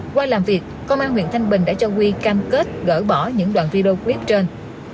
qua làm việc công an huyện thanh bình đã cho quy cam kết gỡ bỏ những đoạn video clip trên